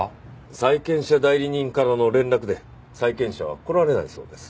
債権者代理人からの連絡で債権者は来られないそうです。